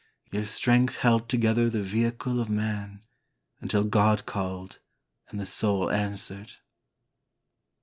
Your strength held together the vehicle of Man until God called and the Soul answered.